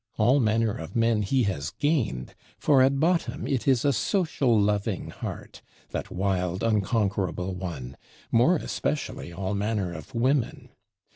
All manner of men he has gained; for at bottom it is a social loving heart, that wild unconquerable one more especially all manner of women.